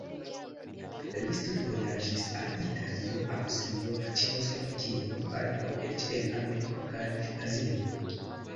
Li studvojaĝis al Italio, Aŭstrio, Ĉeĥoslovakio, baldaŭ eĉ en Ameriko kaj Azio.